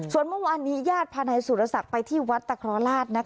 ส่วนเมื่อวานนี้ญาติพานายสุรศักดิ์ไปที่วัดตะครอราช